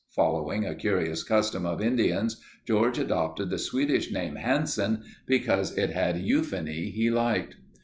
Following a curious custom of Indians George adopted the Swedish name Hansen because it had euphony he liked.